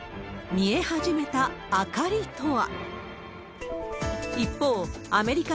見え始めた明かりとは。